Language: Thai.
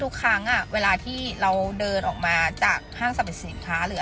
ทุกครั้งเวลาที่เราเดินออกมาจากห้างสรรพสินค้าหรือ